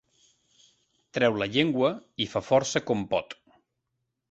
Treu la llengua i fa força com pot.